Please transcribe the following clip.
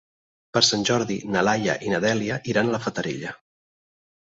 Per Sant Jordi na Laia i na Dèlia iran a la Fatarella.